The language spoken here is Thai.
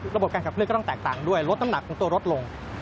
ระบบการขับเคลืก็ต้องแตกต่างด้วยลดน้ำหนักของตัวลดลง